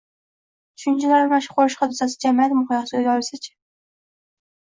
Tushunchalar almashib qolishi hodisasi jamiyat miqyosiga yoyilsa-chi?